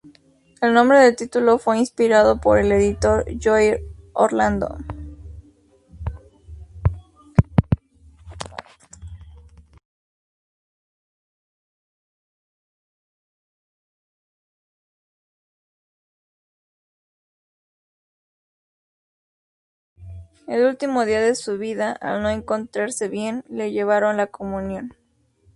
El último día de su vida, al no encontrarse bien, le llevaron la comunión.